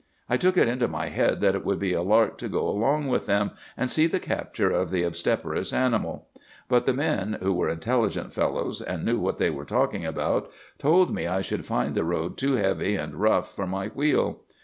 I took it into my head that it would be a lark to go along with them, and see the capture of the obstreperous animal; but the men, who were intelligent fellows and knew what they were talking about, told me I should find the road too heavy and rough for my wheel.